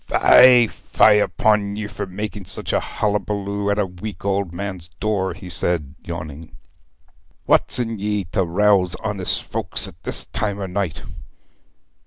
'Fie, fie upon ye all for making such a hullaballoo at a weak old man's door,' he said, yawning. 'What's in ye to rouse honest folks at this time o' night?'